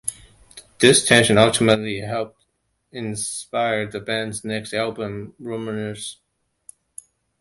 This tension ultimately helped inspire the band's next album, "Rumours".